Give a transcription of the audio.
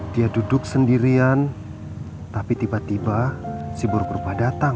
dia duduk sendirian tapi tiba tiba si buruk purba datang